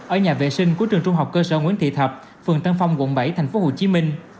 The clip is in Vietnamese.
ở nhà vệ sinh của trường trung học cơ sở nguyễn thị thập phường tân phong quận bảy thành phố hồ chí minh